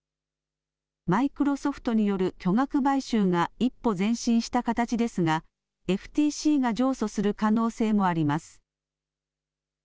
マイクロソフトによる巨額買収が一歩前進した形ですがＦＴＣが上訴する可能性もあります。